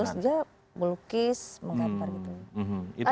terus dia melukis menggambar gitu